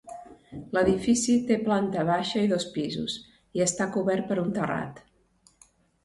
L'edifici té planta baixa i dos pisos i està cobert per un terrat.